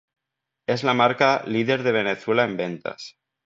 Es la marca líder de Venezuela en ventas.